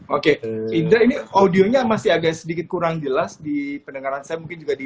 oke indra ini audionya masih agak sedikit kurang jelas di pendengaran saya mungkin juga di